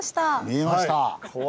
見えました！